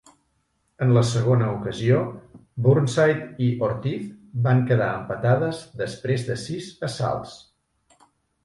En la segona ocasió, Burnside i Ortiz van quedar empatades després de sis assalts.